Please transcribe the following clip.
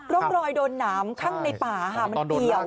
ร่องรอยโดนน้ำในป่ามันเหลี่ยว